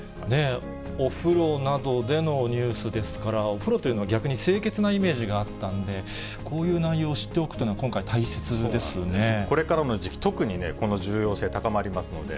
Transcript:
お風呂などでのニュースですから、お風呂というのは、逆に清潔なイメージがあったんで、こういう内容を知っておくというこれからの時期、特にこの重要性、高まりますので。